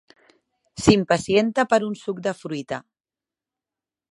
S'impacienta per un suc de fruita.